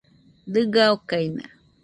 Dɨga okaina.